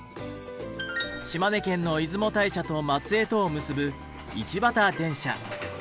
島根県の出雲大社と松江とを結ぶ